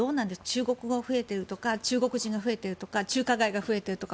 中国語が増えているとか中国人が増えているとか中国街が増えているとか。